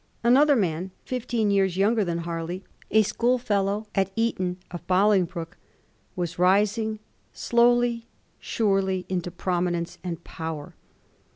Another man, fifteen years younger than Harley, a schoolfellow at Eton of Bolingbroke, was rising «lowly, surely, into prominence and power.